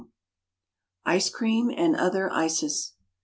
ICE CREAM AND OTHER ICES.